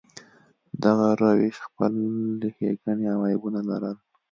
دغه روش خپلې ښېګڼې او عیبونه لرل.